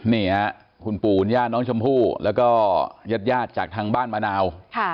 เนียคุณปูนญาติน้องชมพู่แล้วก็ญาติจากทางบ้านมะนาว